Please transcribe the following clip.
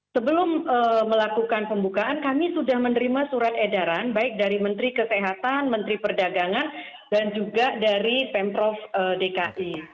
sebelum melakukan pembukaan kami sudah menerima surat edaran baik dari menteri kesehatan menteri perdagangan dan juga dari pemprov dki